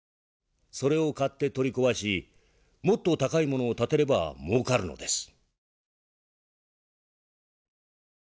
それを買って取り壊しもっと高いものを建てればもうかるのです」。